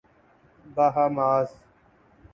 Bahamas